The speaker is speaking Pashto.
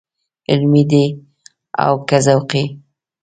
علمي دی او که ذوقي.